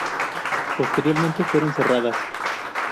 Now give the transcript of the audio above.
Posteriormente, fueron cerradas.